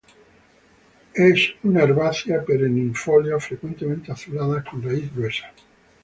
Es una herbácea perennifolia, frecuentemente azuladas, con raíz gruesa.